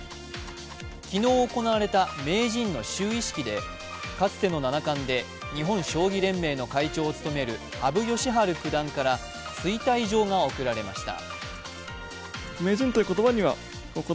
昨日行われた名人の就位式で、かつての七冠で日本将棋連盟の会長を務める羽生善治九段から推戴状が贈られました。